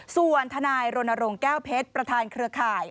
ส่วนทนายรณรงค์แก้วเพชรประธานเครือข่าย